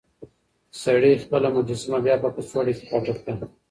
سړي خپله مجسمه بيا په کڅوړه کې پټه کړه.